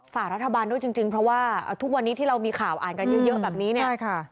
ฝากรัฐบาลด้วยจริงเพราะว่าทุกวันนี้ที่เรามีข่าวอ่านกันเยอะแบบนี้เนี่ยใช่ค่ะ